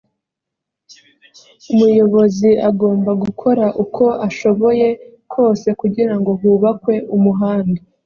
umuyobozi agomba gukora uko ashoboye kose kugirango hubakwe umuhanda